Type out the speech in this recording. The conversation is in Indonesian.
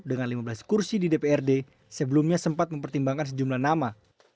dengan lima belas kursi di dprd sebelumnya sempat mempertimbangkan sejumlah nama